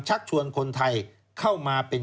ชักชวนคนไทยเข้ามาเป็น